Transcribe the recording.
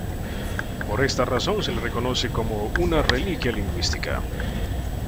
Por esta razón se le reconoce como una reliquia lingüística.